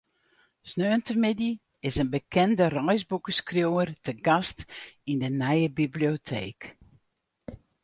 Sneontemiddei is in bekende reisboekeskriuwer te gast yn de nije biblioteek.